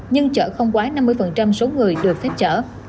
nhưng chở không quá năm mươi số người được phép chở